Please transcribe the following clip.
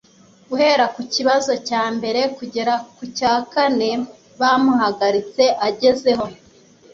Guhera ku kibazo cya mbere kugera ku cya kane bamuhagaritse agezeho